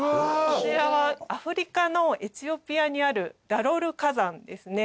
こちらはアフリカのエチオピアにあるダロル火山ですね。